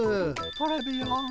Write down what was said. トレビアン。